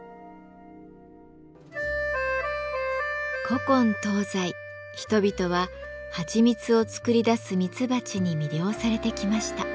古今東西人々ははちみつを作り出すミツバチに魅了されてきました。